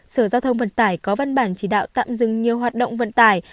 sở giao thông vận tải có văn bản chỉ đạo tạm dừng nhiều hoạt động vận tải